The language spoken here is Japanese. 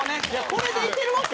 これでいけるわけない。